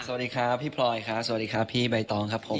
สวัสดีครับพี่พลอยครับสวัสดีครับพี่ใบตองครับผม